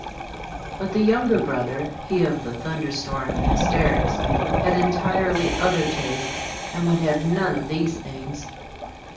But the younger brother (he of the thunder storm and hysterics) had entirely other tastes, and would have none of these things.